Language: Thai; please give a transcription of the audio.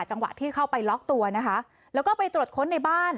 จังหวะที่เข้าไปล็อกตัวนะคะแล้วก็ไปตรวจค้นในบ้าน